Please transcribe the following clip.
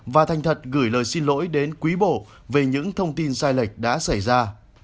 và thành thật gửi lời xin lỗi đến quý bộ về những thông tin sai lệch đã xảy ra